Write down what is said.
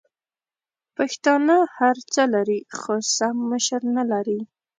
پښتانه هرڅه لري خو سم مشر نلري!